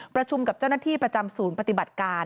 ประชุมกับเจ้าหน้าที่ประจำศูนย์ปฏิบัติการ